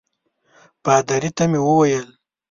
پادري ته مې وویل.